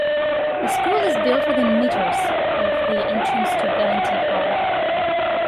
The school is built within metres of the entrance to Wellington Harbour.